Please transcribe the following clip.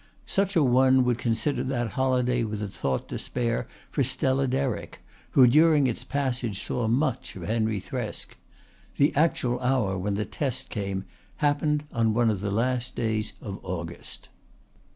Such an one would consider that holiday with a thought to spare for Stella Derrick, who during its passage saw much of Henry Thresk. The actual hour when the test came happened on one of the last days of August.